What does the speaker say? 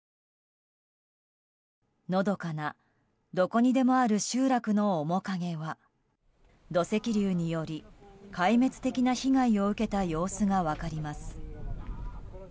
のどかなどこにでもある集落の面影は土石流により、壊滅的な被害を受けた様子が分かります。